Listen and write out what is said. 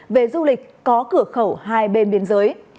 về du lịch có cửa khẩu hai bên biên giới